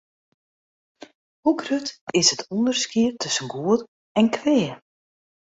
Hoe grut is it ûnderskied tusken goed en kwea?